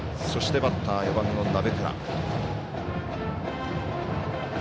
そしてバッター、４番の鍋倉。